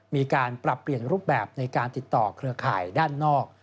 มีการปรับเปลี่ยนรูปแบบในการติดต่อเครือข่ายด้านนอก